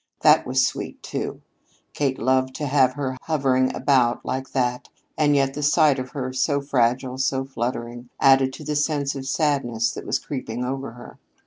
That was sweet, too. Kate loved to have her hovering about like that, and yet the sight of her, so fragile, so fluttering, added to the sense of sadness that was creeping over her.